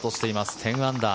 １０アンダー。